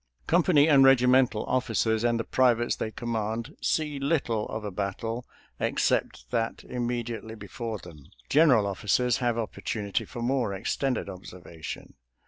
Company and regimental officers and the privates they command see little of a battle except that immediately before them. General officers have opportunity for more ex tended observation.